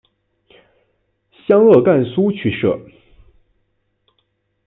湘鄂赣苏区设。